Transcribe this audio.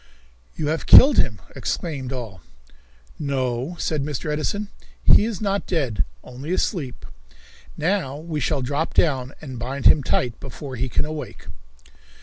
"You have killed him!" exclaimed all. "No," said Mr. Edison, "he is not dead, only asleep. Now we shall drop down and bind him tight before he can awake."